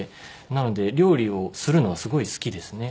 なので料理をするのはすごい好きですね。